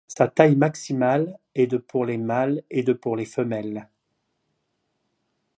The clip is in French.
Sa taille maximale est de pour les mâles et de pour les femelles.